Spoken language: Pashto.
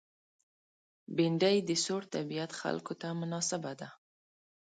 بېنډۍ د سوړ طبیعت خلکو ته مناسبه ده